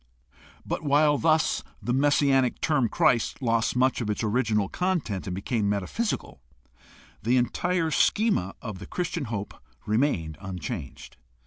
But while thus the messianic term Christ lost much of its original content and became metaphysical, the entire schema of the Christian hope remained unchanged.